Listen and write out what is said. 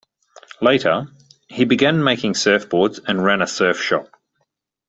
Later, he began making surfboards and ran a surf shop.